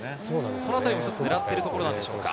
そのあたりも一つ狙っているところなんでしょうか。